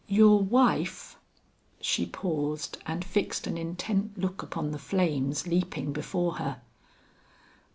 Your wife " she paused and fixed an intent look upon the flames leaping before her.